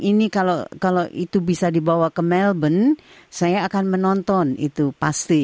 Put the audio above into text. ini kalau itu bisa dibawa ke melbourne saya akan menonton itu pasti